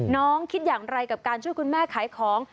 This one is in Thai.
คิดอย่างไรกับการช่วยคุณแม่ขายของ